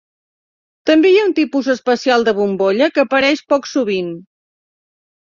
També hi ha un tipus especial de bombolla que apareix poc sovint.